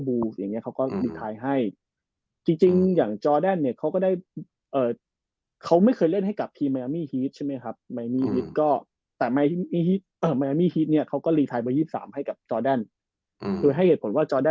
อืมจอโดนเนี้ยเขาก็ได้เออเขาไม่เคยเล่นให้กับทีมมายามีฮีชใช่ไหมครับอืมมายามี้ฮีชก็แต่มายามีฮีชอ่ะมายามี้ฮีชเนี้ยเขาก็รีไทรเบอร์ยีสิบสามให้กับดีจาด